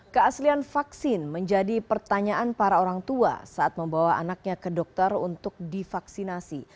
keaslian vaksin menjadi pertanyaan para orang tua saat membawa anaknya ke dokter untuk divaksinasi